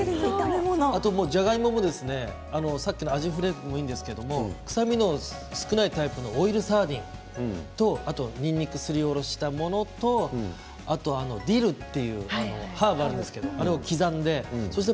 あとじゃがいももアジのフレークもいいんですけれど臭みの少ないタイプのオイルサーディンとにんにくすりおろしたものとディルというハーブがあるじゃないですか